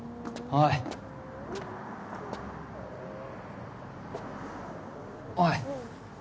おいおい！